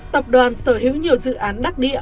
tập đoàn sở hữu nhiều dự án đắc địa